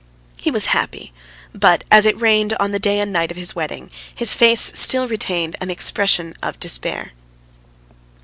He was happy, but as it rained on the day and night of his wedding, his face still retained an expression of despair.